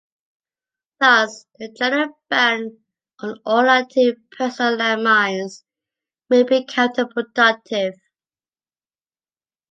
Thus, the general ban on all anti-personnel land mines may be counter-productive.